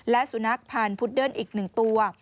และสุนัขพันธ์พุดเดิ้ลอีก๑ตัว